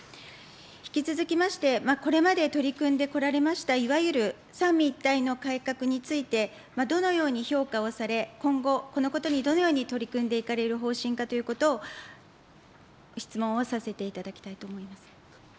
引き続きまして、これまで取り組んでこられましたいわゆる三位一体の改革について、どのように評価をされ、今後、このことにどのように取り組んでいかれる方針かということを質問をさせていただきたいと思います。